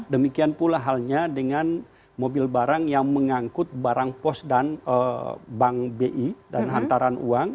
demikian pula halnya dengan mobil barang yang mengangkut barang pos dan bank bi dan hantaran uang